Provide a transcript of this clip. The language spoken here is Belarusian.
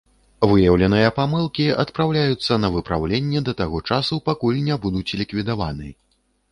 Выяўленыя памылкі адпраўляюцца на выпраўленне да таго часу, пакуль не будуць ліквідаваны.